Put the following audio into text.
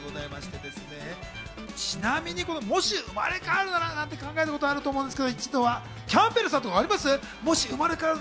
ちなみに、もし生まれ変わるならなんて考えたことあると思うんですが、一度はキャンベルさん、ありますか？